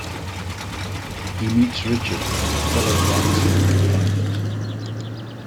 He meets Richard, a fellow barn-storming pilot.